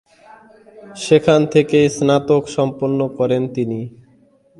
সেখান থেকেই স্নাতক সম্পন্ন করেন তিনি।